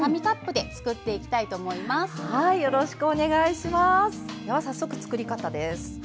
では、早速、作り方です。